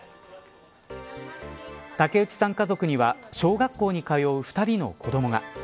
家族には小学校に通う２人の子どもが。